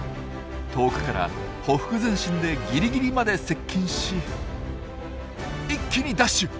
遠くからほふく前進でギリギリまで接近し一気にダッシュ！